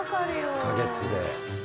１カ月で。